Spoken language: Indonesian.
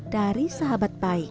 dari sahabat baik